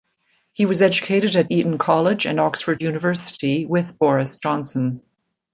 He was educated at Eton College and Oxford University with Boris Johnson.